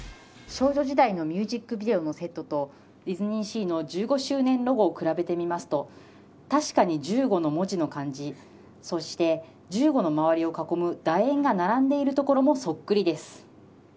少女時代のミュージックビデオのセットとディズニーシーの１５周年ロゴを比べてみますと確かに、１５の文字の感じそして１５の文字の周りを囲む楕円が並んでいるところもそっくりです。